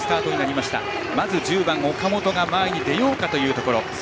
まず１０番、岡本が前に出ようかというところ。